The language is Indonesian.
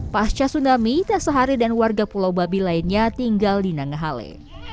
pasca tsunami tak sehari dan warga pulau babi lainnya tinggal di nangahale